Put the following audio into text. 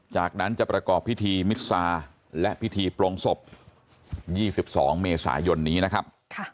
จากนั้นจะประกอบพิธีมิซาและพิธีปลงศพ๒๒เมษายนนี้นะครับ